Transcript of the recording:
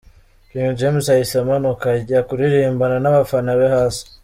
King James ahise amanuka ajya kuririmbana n'abafana be hasi.